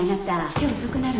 今日遅くなるの？